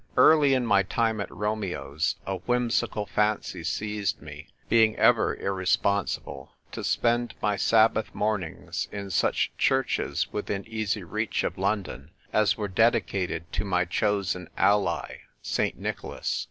Early in my time at Romeo's a whimsical fancy seized me (being ever irresponsible) to spend my Sabbath mornings in such churches within easy reach of London as were dedicated to my chosen ally, St. Nicholas.